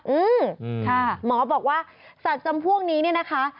อืมค่ะหมอบอกว่าสัตว์จำพวกนี้เนี่ยนะคะ